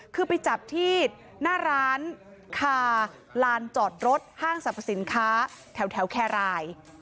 คือไปจับที่หน้าร้านคาลานจอดรถห้างสรรพสินค้าแถวแครราย